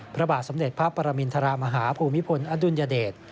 พระบาทสมเด็จพระปรมินทรมาฮาภูมิพลอดุลยเดช